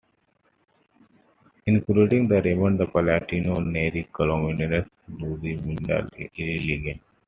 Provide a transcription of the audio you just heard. Including Raymond Palatino, Neri Colmenares, Luzviminda Iligan.